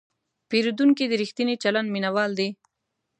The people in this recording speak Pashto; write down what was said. پیرودونکی د ریښتیني چلند مینهوال دی.